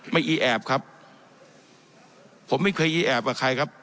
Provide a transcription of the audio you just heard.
อีแอบครับผมไม่เคยอีแอบกับใครครับ